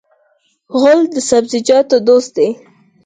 غول د سبزیجاتو دوست دی.